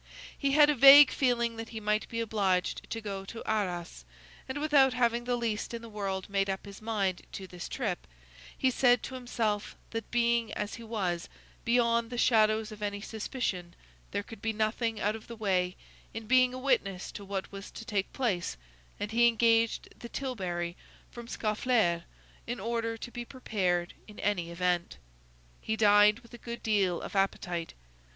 He had a vague feeling that he might be obliged to go to Arras; and without having the least in the world made up his mind to this trip, he said to himself that being, as he was, beyond the shadow of any suspicion, there could be nothing out of the way in being a witness to what was to take place, and he engaged the tilbury from Scaufflaire in order to be prepared in any event. He dined with a good deal of appetite.